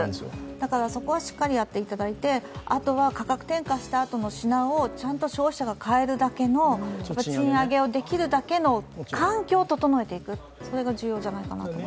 だからそこはしっかりやっていただいてあとは価格転嫁したあとの品をちゃんと消費者が買えるだけの賃上げをできるだけの環境を整えていく、それが重要かなと思います。